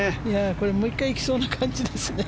これもう１回行きそうな感じですね。